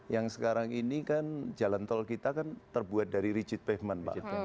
yang sekarang ini kan jalan tol kita kan terbuat dari rigid pavement pak